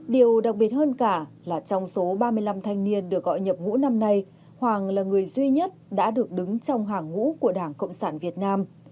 điều đặc biệt hơn cả là trong số ba mươi năm thanh niên được gọi nhập ngũ năm nay hoàng là người duy nhất đã được đứng trong hàng ngũ của đảng cộng sản việt nam